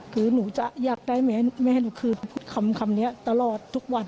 คือหนูจะอยากได้แม่หนูคือพูดคำนี้ตลอดทุกวัน